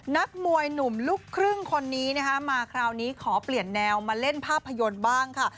นักมวยหนุ่มลูกครึ่งคนนี้นะคะมาคราวนี้ขอเปลี่ยนแนวมาเล่นภาพยนตร์บ้างค่ะ